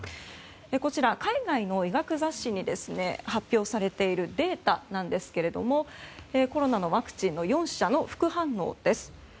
こちら、海外の医学雑誌に発表されているデータですけどもコロナのワクチンの４社の副反応です。